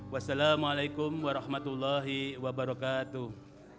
wassalamu'alaikum warahmatullahi wabarakatuh